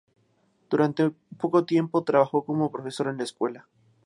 Durante poco tiempo trabajó como profesora en la escuela.